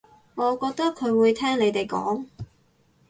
我覺得佢會聽你哋講